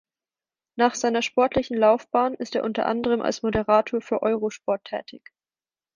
Nach seiner sportlichen Laufbahn ist er unter anderem als Moderator für Eurosport tätig.